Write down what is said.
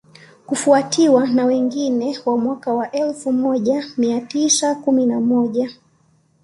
kufuatiwa na mwingine wa mwaka wa elfu moja mia tisa kumi na moja